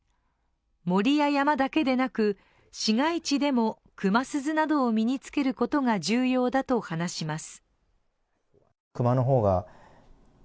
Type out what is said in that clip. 森や山だけでなく、市街地でも熊鈴などを身につけることが重要だと話します。